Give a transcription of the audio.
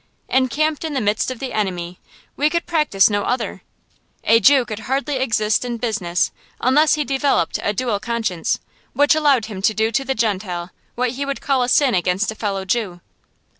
Encamped in the midst of the enemy, we could practice no other. A Jew could hardly exist in business unless he developed a dual conscience, which allowed him to do to the Gentile what he would call a sin against a fellow Jew.